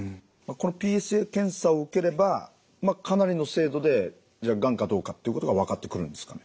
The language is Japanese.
このＰＳＡ検査を受ければかなりの精度でがんかどうかっていうことが分かってくるんですか？